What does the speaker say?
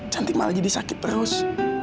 cantik malah jadi sakit terus